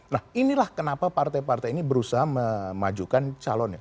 nah inilah kenapa partai partai ini berusaha memajukan calonnya